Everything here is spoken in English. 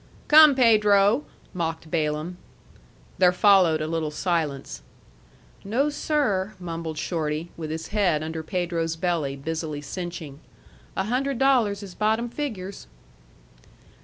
"Come, Pedro!" mocked Balaam. There followed a little silence. "No, sir," mumbled Shorty, with his head under Pedro's belly, busily cinching. "A hundred dollars is bottom figures."